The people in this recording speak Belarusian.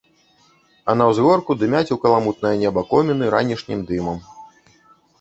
А на ўзгорку дымяць у каламутнае неба коміны ранішнім дымам.